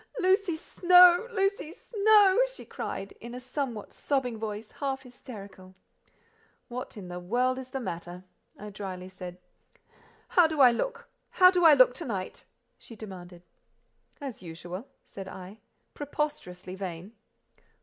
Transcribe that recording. "Lucy Snowe! Lucy Snowe!" she cried in a somewhat sobbing voice, half hysterical. "What in the world is the matter?" I drily said. "How do I look—how do I look to night?" she demanded. "As usual," said I; "preposterously vain."